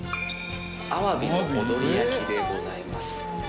鮑の踊り焼きでございます。